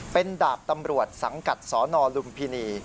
เป็นดาบตำรวจสังกัดสนลุมพินี